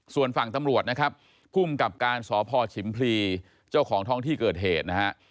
ส่วนฝั่งตำรวจนะครับภูมิกับการสพชิมพลีเจ้าของท้องที่เกิดเหตุนะฮะ